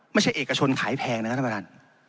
ไม่ใช่เอกชนขายแพงนะครับท่านประทาน